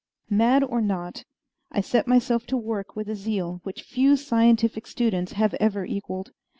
Mad or not, I set myself to work with a zeal which few scientific students have ever equaled.